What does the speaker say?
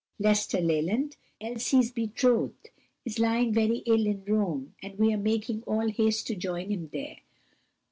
Lester Leland, Elsie's betrothed, is lying very ill in Rome, and we are making all haste to join him there."